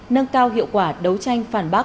nâng cao hiệu quả đấu tranh phản bác